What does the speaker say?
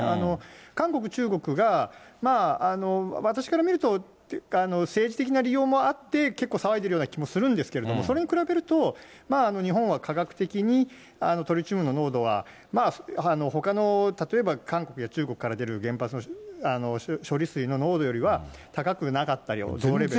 韓国、中国が、私から見ると、政治的な利用もあって、結構、騒いでるような気もするんですけど、それに比べると、まあ日本は科学的に、トリチウムの濃度は、ほかの例えば韓国や中国から出る、原発の処理水の濃度よりは高くなかったり、同レベル。